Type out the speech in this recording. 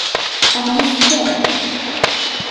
Ɛni teččam?